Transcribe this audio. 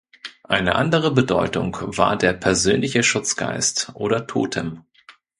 Eine andere Bedeutung war der persönliche Schutzgeist oder Totem.